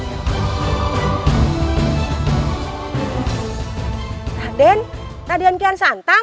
radean radean kian santang